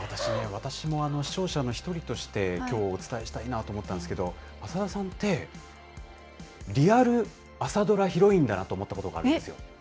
私も視聴者の一人として、きょう、お伝えしたいなと思ったんですけれども、浅田さんって、リアル朝ドラヒロインだなと思ったことがあるんですよ。